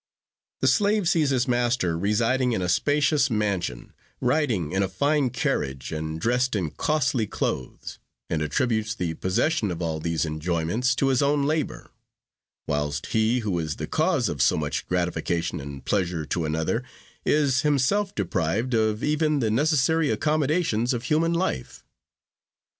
The slave sees his master residing in a spacious mansion, riding in a fine carriage, and dressed in costly clothes, and attributes the possession of all these enjoyments to his own labor; whilst he who is the cause of so much gratification and pleasure to another, is himself deprived of even the necessary accommodations of human life.